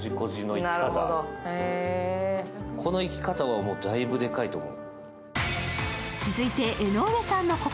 この生き方は大分でかいと思う。